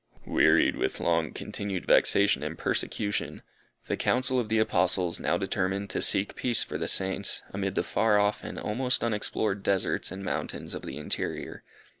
Wearied with long continued vexation and persecution, the council of the Apostles now determined to seek peace for the Saints, amid the far off and almost unexplored deserts and mountains of the interior.